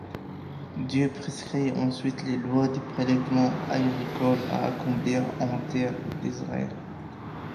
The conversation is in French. Dieu prescrit ensuite les lois des prélèvements agricoles à accomplir en terre d'Israël.